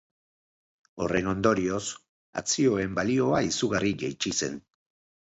Horren ondorioz, akzioen balioa izugarri jaitsi zen.